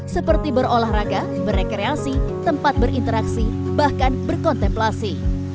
seperti berolahraga berekreasi tempat berinteraksi bahkan berkontemplasi